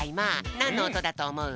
なんのおとだとおもう？